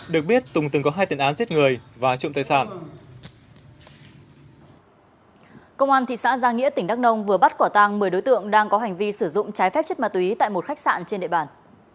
một mươi đối tượng đang có hành vi sử dụng trái phép chất ma túy tại một khách sạn trên địa bàn